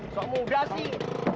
sok muda sih